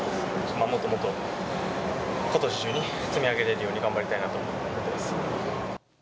もっともっとことし中に積み上げれるように頑張りたいなと思いま